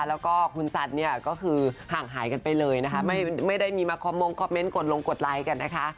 แล้วก็คุณสันเนี่ยก็คือห่างหายกันไปเลยนะคะไม่ได้มีมาคอมมงคอมเมนต์กดลงกดไลค์กันนะคะ